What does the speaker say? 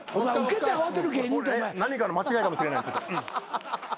何かの間違いかもしれない。